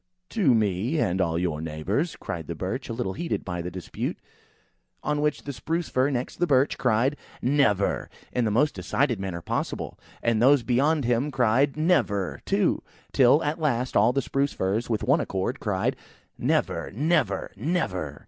"To me, and to all your neighbours," cried the Birch, a little heated by the dispute. On which the Spruce fir next the Birch cried "Never!" in the most decided manner possible; and those beyond him cried "Never!" too; till at last, all the Spruce firs, with one accord, cried, "Never!" "Never!" "Never!"